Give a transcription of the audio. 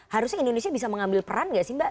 harusnya indonesia bisa mengambil peran nggak sih mbak